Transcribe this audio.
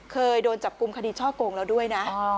เคยโดนจับกลุ่มคดีช่อโกงแล้วด้วยนะ